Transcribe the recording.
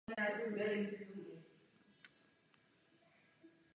Během prvních let existence klub několikrát upravil svůj název.